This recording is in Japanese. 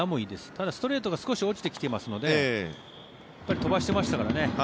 ただ、ストレートが少し落ちてきていますので飛ばしてましたからね。